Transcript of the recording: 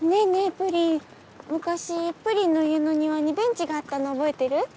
ぷりん昔ぷりんの家の庭にベンチがあったの覚えてる？